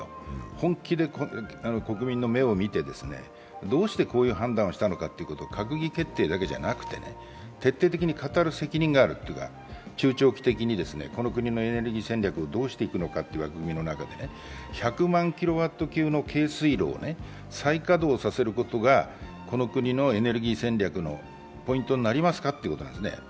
本気で国民の目を見てどうしてこういう判断をしたのか、閣議決定だけでなくてね、徹底的に語る責任があるというか、中長期的にこの国のエネルギー戦略をどうしていくのかという枠組みの中で１００万キロワット級の軽水炉を再稼働させることがこの国のエネルギー戦略のポイントになりますかってことなんです。